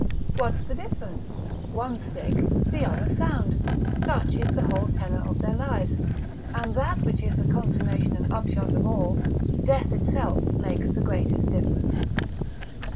what's the difference? one's sick, the other sound: such is the whole tenor of their lives, and that which is the consummation and upshot of all, death itself makes the greatest difference.